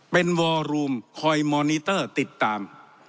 เป็นวอรูมคอยมอนิเตอร์ติดตาม